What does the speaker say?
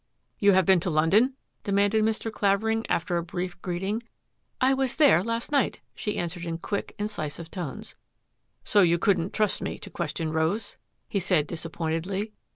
^^You have been to London?" demanded Mr. Clavering, after a brief greeting. ^^ I was there last night," she answered in quick, incisive tones. " So you couldn't trust me to question Rose? " he said disappointedly.